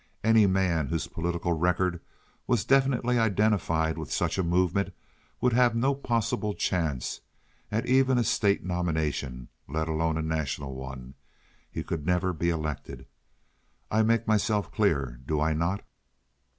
Any man whose political record was definitely identified with such a movement would have no possible chance at even a state nomination, let alone a national one. He could never be elected. I make myself clear, do I not?"